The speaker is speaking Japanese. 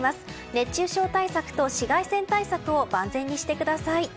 熱中症対策と紫外線対策を万全にしてください。